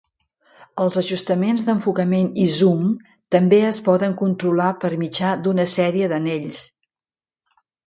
Els ajustaments d'enfocament i zoom també es poden controlar per mitjà d'una sèrie d'anells.